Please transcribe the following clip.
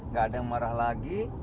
nggak ada yang marah lagi